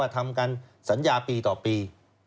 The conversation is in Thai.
ทำกันสัญญาปีต่อปี